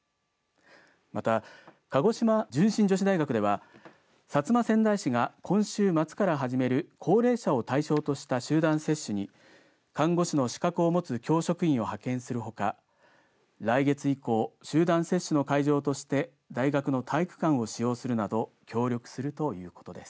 また、鹿児島純心女子大学では薩摩川内市が今週末から始める高齢者を対象とした集団接種に看護師の資格を持つ教職員を派遣するほか来月以降、集団接種の会場として大学の体育館を使用するなど協力するということです。